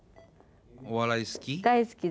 お笑い好き？